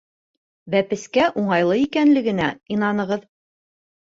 Бәпескә уңайлы икәнлегенә инанығыҙ.